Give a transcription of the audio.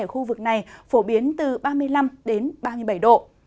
ở khu vực này phổ biến từ ba mươi năm đến ba mươi bảy độ